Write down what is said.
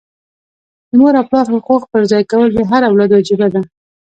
د مور او پلار حقوق پرځای کول د هر اولاد وجیبه ده.